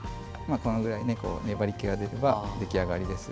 このくらい粘りけが出れば出来上がりです。